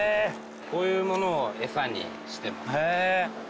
こういうものをエサにしてます。